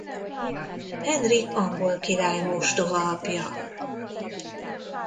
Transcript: Henrik angol király mostohaapja.